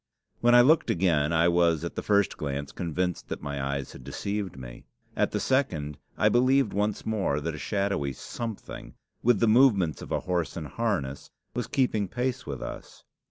When I looked again, I was at the first glance convinced that my eyes had deceived me. At the second, I believed once more that a shadowy something, with the movements of a horse in harness, was keeping pace with us.